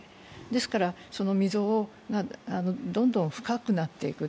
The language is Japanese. ですからその溝がどんどん深くなっていく。